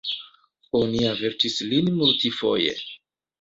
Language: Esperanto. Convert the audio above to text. Oni avertis lin multfoje!